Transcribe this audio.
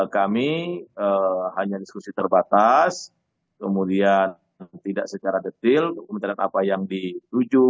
kami hanya diskusi terbatas kemudian tidak secara detail kementerian apa yang dituju